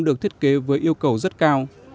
được thiết kế với yêu cầu rất cao